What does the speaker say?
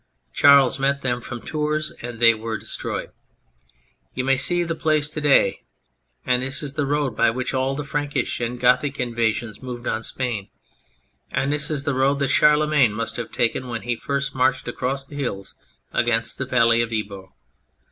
Charles met them from Tours and they were destroyed. You may see the place to day, and this is the road by which all the Prankish and Gothic invasions moved on Spain, and this is the road that Charlemagne must have taken when he first marched across the hills against the Valley of Ebro.